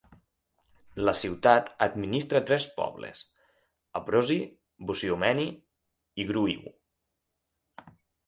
La ciutat administra tres pobles: Aprozi, Buciumeni i Gruiu.